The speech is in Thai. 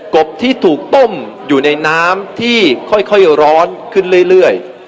บที่ถูกต้มอยู่ในน้ำที่ค่อยร้อนขึ้นเรื่อย